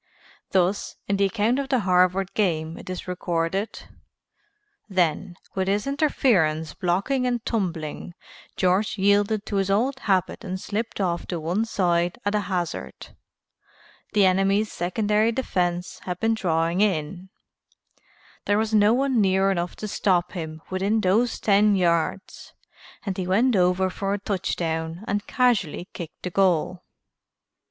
Thus, in the account of the Harvard game it is recorded: "Then, with his interference blocked and tumbling, George yielded to his old habit and slipped off to one side at a hazard. The enemy's secondary defense had been drawing in, there was no one near enough to stop him within those ten yards and he went over for a touchdown and casually kicked the goal."